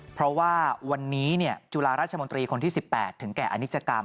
เพราะว่าวันนี้จุฬาราชมนตรีคนที่๑๘ถึงแก่อนิจกรรม